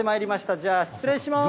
じゃあ、失礼しまーす。